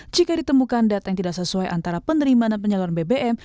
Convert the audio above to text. jika ditemukan data yang tidak sesuai antara penerimaan dan penyaluran bbm